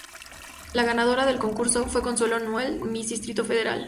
La ganadora del concurso fue Consuelo Nouel, Miss Distrito Federal.